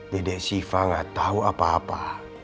dede siva gak tahu apa apa